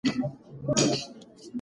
دا پوسټ د ډېرو ملګرو لخوا خوښ شوی دی.